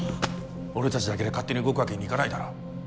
俺達だけで勝手に動くわけにいかないだろう